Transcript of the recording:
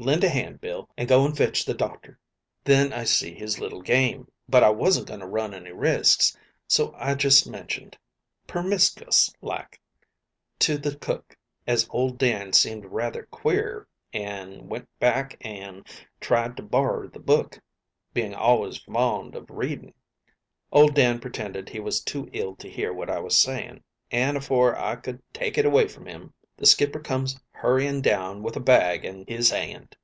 Lend a hand, Bill, an' go an' fetch the doctor.' "Then I see his little game, but I wasn't going to run any risks, so I just mentioned, permiscous like, to the cook as old Dan seemed rather queer, an' went back an' tried to borrer the book, being always fond of reading. Old Dan pretended he was too ill to hear what I was saying, an' afore I could take it away from him, the skipper comes hurrying down with a bag in his 'and.